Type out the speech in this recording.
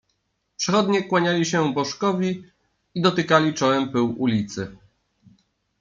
Przechodnie kłaniali się bożkowi i dotykali czołem pyłu ulicy.